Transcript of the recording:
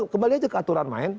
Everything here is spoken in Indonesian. kembali aja ke aturan main